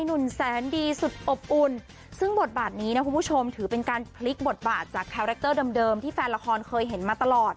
หนุ่มแสนดีสุดอบอุ่นซึ่งบทบาทนี้นะคุณผู้ชมถือเป็นการพลิกบทบาทจากคาแรคเตอร์เดิมที่แฟนละครเคยเห็นมาตลอด